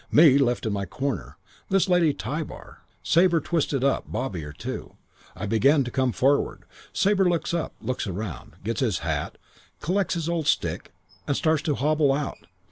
Me left in my corner. This Lady Tybar. Sabre, twisted up. Bobby or two. I began to come forward. Sabre looks up. Looks round. Gets his hat. Collects his old stick. Starts to hobble out.